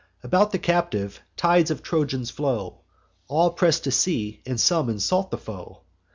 About the captive, tides of Trojans flow; All press to see, and some insult the foe.